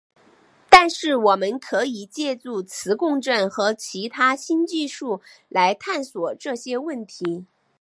但是我们可以借助磁共振和其他新技术来探索这些问题。